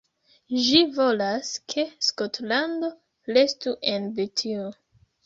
Ĝi volas ke Skotlando restu en Britio.